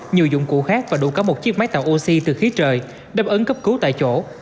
nhiều dụng cụ khác và đủ có một chiếc máy tạo oxy từ khí trời đâm ấn cấp cứu tại chỗ